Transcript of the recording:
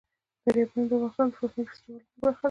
دریابونه د افغانستان د فرهنګي فستیوالونو برخه ده.